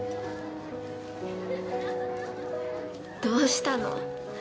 どうしたの？